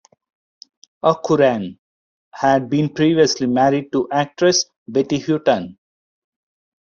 O'Curran had been previously married to actress Betty Hutton.